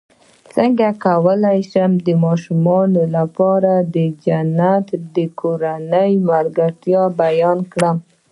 څنګه کولی شم د ماشومانو لپاره د جنت د کورنۍ ملګرتیا بیان کړم